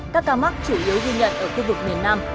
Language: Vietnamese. các ca mắc chủ yếu ghi nhận ở khu vực miền nam